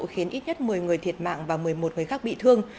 khiến ít nhất một mươi người thiệt mạng và một mươi một người khác bị thương